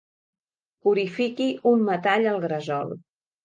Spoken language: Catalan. Purifiqui un metall al gresol.